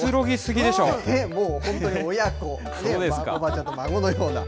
もう、本当に親子、おばあちゃんと孫のような。